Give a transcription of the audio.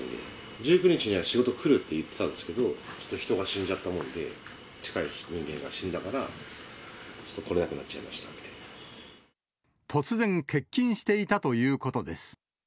１９日には仕事来るって言ってたんですけど、ちょっと人が死んじゃったもんで、近い人間が死んだから、来れなくなっちゃいました突然、欠勤していたということです。